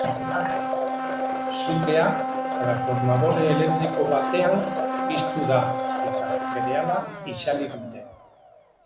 Sutea transformadore elektriko batean piztu da, eta berehala itzali dute.